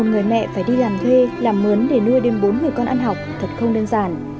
người mẹ phải đi làm thuê làm mướn để nuôi đêm bốn người con ăn học thật không đơn giản